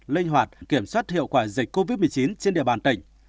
linh hoạt kiểm soát hiệu quả dịch covid một mươi chín trên địa bàn tỉnh